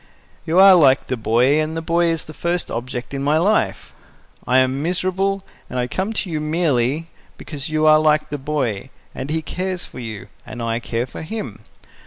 You are like the boy, and the boy is the first object in my life. I am miserable, and I came to you merely because you are like the boy, and he cares for you, and I care for him.